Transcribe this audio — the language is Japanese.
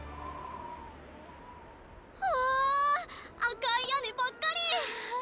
うわあ赤い屋根ばっかり！